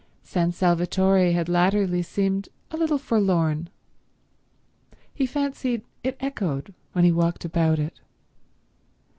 San Salvatore had latterly seemed a little forlorn. He fancied it echoed when he walked about it.